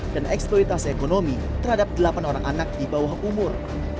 dan eksploitasi ekonomi terhadap delapan orang anak di bawah umur